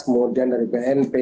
kemudian dari bnp